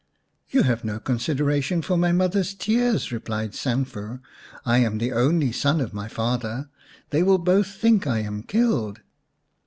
" You have no consideration for my mother's tears," replied Sanfu. " I am the only son of my father. They will both think I am killed."